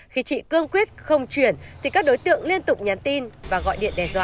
khi chị cương quyết không chuyển thì các đối tượng liên tục nhắn tin và gọi điện đe dọa